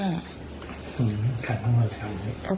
อื้อขันข้างบนสิครับ